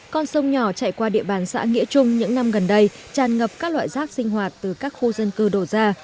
con sông nhỏ chạy qua địa bàn xã nghĩa trung những năm gần đây tràn ngập các loại rác sinh hoạt từ các khu dân cư đổ ra